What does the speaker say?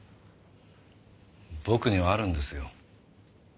僕にはあるんですよ。